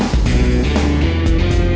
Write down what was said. udah bocan mbak